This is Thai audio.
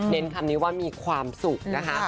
คำนี้ว่ามีความสุขนะคะ